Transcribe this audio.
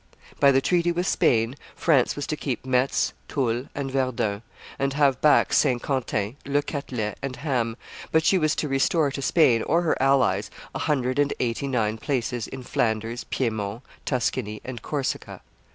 By the treaty with Spain, France was to keep Metz, Toul, and Verdun, and have back Saint Quentin, Le Catelet, and Ham; but she was to restore to Spain or her allies a hundred and eighty nine places in Flanders, Piedmont, Tuscany, and Corsica.